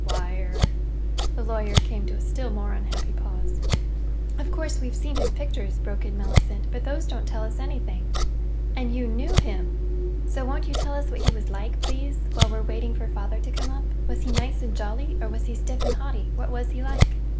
"Why—er—" The lawyer came to a still more unhappy pause. "Of course, we've seen his pictures," broke in Mellicent, "but those don't tell us anything. And you knew him. So won't you tell us what he was like, please, while we're waiting for father to come up? Was he nice and jolly, or was he stiff and haughty? What was he like?"